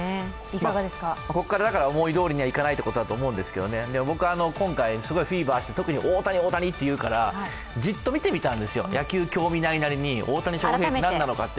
ここから思いどおりにはいかないということだと思うんですけれども、今回フィーバーして大谷、大谷と言うからじっと見てみたいですよ、野球、興味ないなりに大谷は何なんだって。